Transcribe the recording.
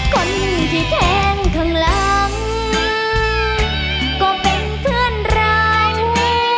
คนที่แทงข้างหลังก็เป็นเพื่อนรัก